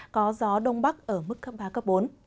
có gió đông bắc ở mức cấp ba cấp bốn